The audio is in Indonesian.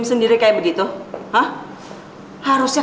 jangan mari perang petanya lagi sayang